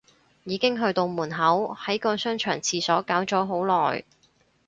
已經去到門口，喺個商場廁所搞咗好耐